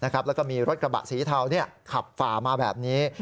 แล้วก็มีรถกระบะสีเทาขับฝ่ามาแบบนี้